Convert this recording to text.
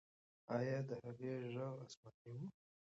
آیا د هغې ږغ آسماني و؟